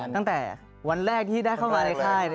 ตั้งแต่วันแรกที่ได้เข้ามาในค่าย